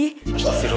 masih kasih dulu